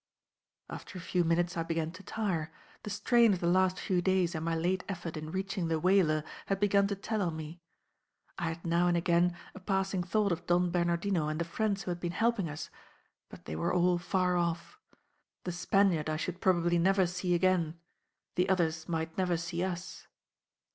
After a few minutes I began to tire; the strain of the last few days and my late effort in reaching the whaler had begun to tell on me. I had now and again a passing thought of Don Bernardino and the friends who had been helping us; but they were all far off. The Spaniard I should probably never seen again; the others might never see us....